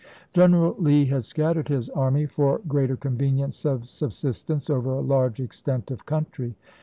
General Lee had scattered his army, for greater convenience of sub sistence, over a large extent of country.